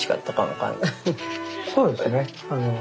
そうですね。